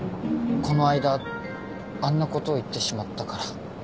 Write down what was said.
この間あんなこと言ってしまったから。